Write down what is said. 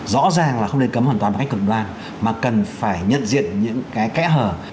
rõ ràng là không nên cấm hoàn toàn bằng cách cực đoan mà cần phải nhận diện những cái kẽ hở